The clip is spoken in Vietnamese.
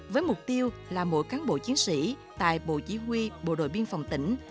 với mục tiêu là mỗi cán bộ chiến sĩ tại bộ chỉ huy bộ đội biên phòng tỉnh